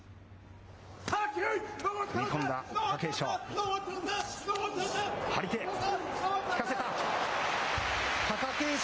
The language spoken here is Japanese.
踏み込んだ貴景勝。